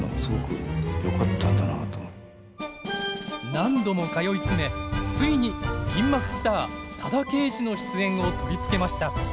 何度も通い詰めついに銀幕スター佐田啓二の出演を取り付けました。